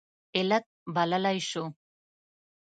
علت بللی شو.